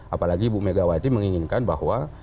apalagi bu megawati menginginkan bahwa